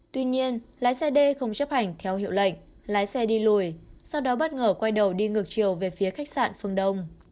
tuy nhiên lái xe d không chấp hành theo hiệu lệnh lái xe đi lùi sau đó bất ngờ quay đầu đi ngược chiều về phía khách sạn phương đông